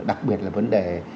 đặc biệt là vấn đề